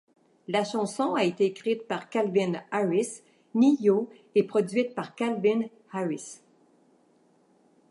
La chanson a été écrite par Calvin Harris, Ne-Yo et produite par Calvin Harris.